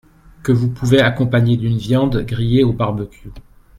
Que vous pouvez accompagner d’une viande grillée au barbecue.